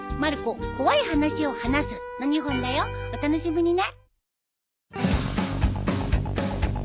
お楽しみにね。